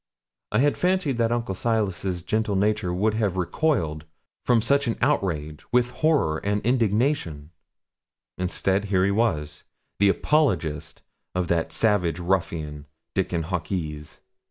I had fancied that Uncle Silas's gentle nature would have recoiled from such an outrage with horror and indignation; and instead, here he was, the apologist of that savage ruffian, Dickon Hawkes.